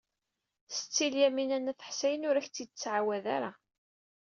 Setti Lyamina n At Ḥsayen ur ak-t-id-tettɛawad ara.